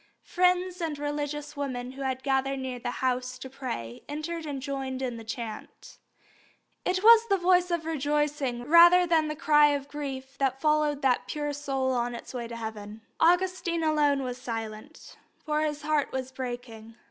Friends and religious women who had gathered near the house to pray entered and joined in the chant. It was the voice of rejoicing rather than the cry of grief that followed that pure soul on its way to heaven. Augustine alone was silent, for his heart was breaking.